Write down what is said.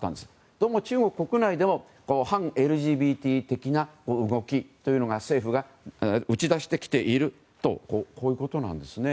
どうも中国国内でも反ＬＧＢＴ的な動きを政府が打ち出してきているということなんです。